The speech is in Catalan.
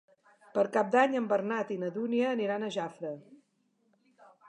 Per Cap d'Any en Bernat i na Dúnia aniran a Jafre.